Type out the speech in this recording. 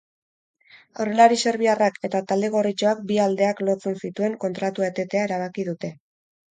Aurrelari serbiarrak eta talde gorritxoak bi aldeak lotzen zituen kontratua etetea erabaki dute.